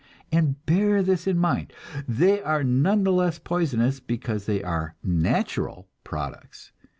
And bear this in mind, they are none the less poisonous because they are "natural" products.